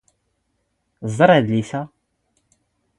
ⵥⵕ ⴰⴷⵍⵉⵙ ⴰ.